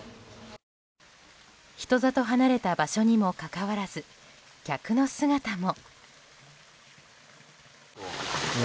人里離れた場所にもかかわらず客の姿も。